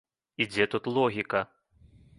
І дзе тут логіка?